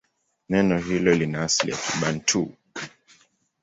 Neno hilo lina asili ya Kibantu.